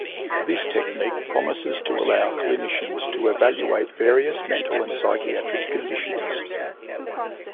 This technique promises to allow clinicians to evaluate various mental and psychiatric conditions.